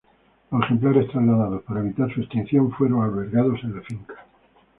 Los ejemplares trasladados para evitar su extinción, fueron albergados en la finca.